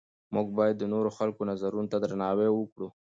موږ باید د نورو خلکو نظرونو ته درناوی وکړو.